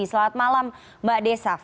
selamat malam mbak desaf